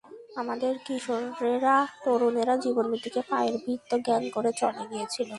আমাদের কিশোরেরা, তরুণেরা জীবন-মৃত্যুকে পায়ের ভৃত্য জ্ঞান করে চলে গিয়েছিল যুদ্ধে।